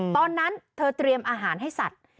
ตอนนั้นเธอเตรียมอาหารให้สัตว์